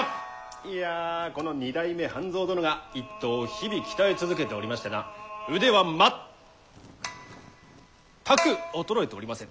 いやこの２代目半蔵殿が一党を日々鍛え続けておりましてな腕は全く衰えておりません。